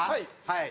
はい。